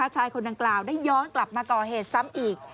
ชายคนดังกล่าวได้ย้อนกลับมาก่อเหตุซ้ำอีก